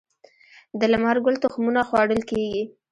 د لمر ګل تخمونه خوړل کیږي